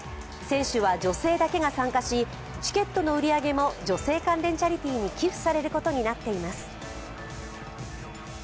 選手は女性だけが参加し、チケットの売り上げも女性関連チャリティーに寄附されることになっています。